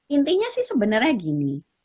intinya sih sebenarnya gini